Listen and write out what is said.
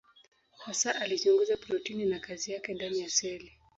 Hasa alichunguza protini na kazi yake ndani ya seli.